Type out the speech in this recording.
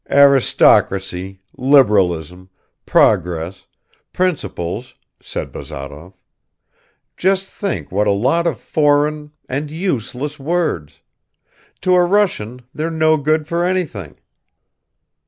"Aristocracy, liberalism, progress, principles," said Bazarov. "Just think what a lot of foreign ... and useless words! To a Russian they're no good for anything!"